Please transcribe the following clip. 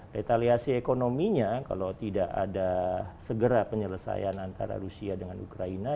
retaliasi ekonominya kalau tidak ada segera penyelesaian antara rusia dengan ukraina